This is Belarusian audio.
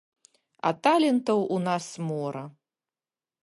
А талентаў у нас мора.